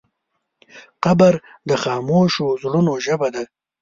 قبر د خاموشو زړونو ژبه ده.